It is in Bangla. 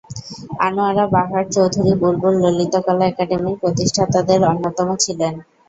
আনোয়ারা বাহার চৌধুরী বুলবুল ললিতকলা একাডেমির প্রতিষ্ঠাতাদের অন্যতম ছিলেন।